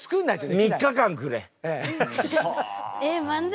３日間くれ。